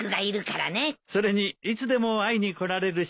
それにいつでも会いに来られるしね。